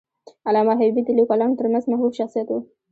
علامه حبیبي د لیکوالانو ترمنځ محبوب شخصیت و.